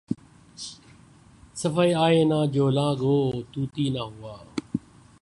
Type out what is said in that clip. صفحۂ آئنہ جولاں گہ طوطی نہ ہوا